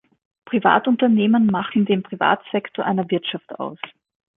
Privatunternehmen machen den Privatsektor einer Wirtschaft aus.